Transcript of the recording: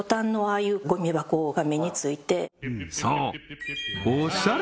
そう！